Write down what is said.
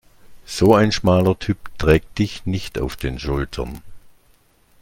So ein schmaler Typ trägt dich nicht auf den Schultern.